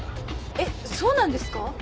えっそうなんですか？